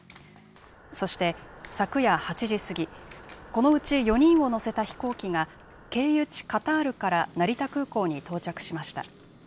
そして、昨夜８時過ぎ、このうち４人を乗せた飛行機が、経由地、カタールから成田空港に到着しました。